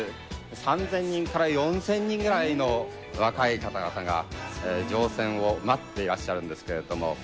３０００人から４０００人ぐらいの若い方々が乗船を待っていらっしゃるんですけれども。